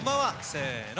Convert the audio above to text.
せの。